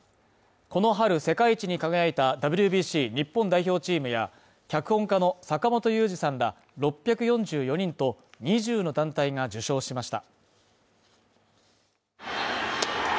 この春世界一に輝いたＷＢＣ日本代表チームや脚本家の坂元裕二さんら６４４人と２０の団体が受賞しました。